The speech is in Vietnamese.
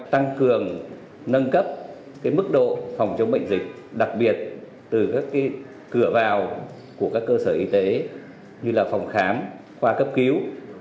tăng cường nâng cấp mức độ phòng chống bệnh dịch đặc biệt từ các cửa vào của các cơ sở y tế như là phòng khám khoa cấp cứu